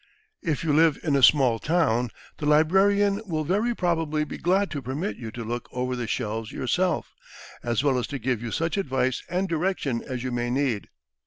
If you live in a small town, the librarian will very probably be glad to permit you to look over the shelves yourself, as well as to give you such advice and direction as you may need.